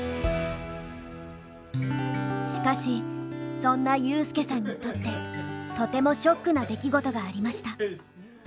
しかしそんなユースケさんにとってとてもショックな出来事がありました。